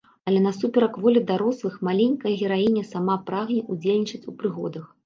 Але, насуперак волі дарослых, маленькая гераіня сама прагне ўдзельнічаць у прыгодах.